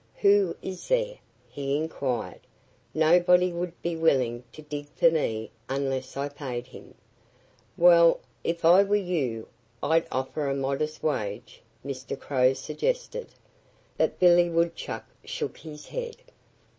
"Who is there?" he inquired. "Nobody would be willing to dig for me unless I paid him." "Well if I were you I'd offer a modest wage," Mr. Crow suggested. But Billy Woodchuck shook his head.